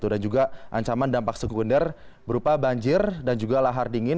dan juga ancaman dampak sekunder berupa banjir dan juga lahar dingin